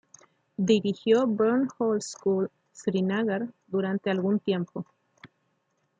Dirigió Burn Hall School Srinagar durante algún tiempo.